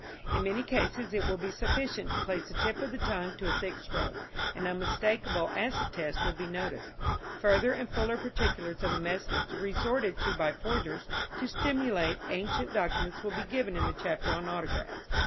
In many cases it will be sufficient to place the tip of the tongue to a thick stroke. An unmistakable acid taste will be noticed. Further and fuller particulars of the methods resorted to by forgers to simulate ancient documents will be given in the chapter on Autographs.